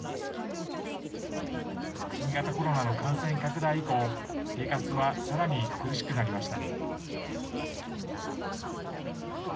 新型コロナの感染拡大以降生活は、さらに苦しくなりました。